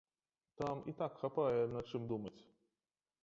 Там і так хапае над чым думаць.